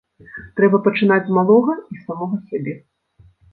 Трэба пачынаць з малога і з самога сябе.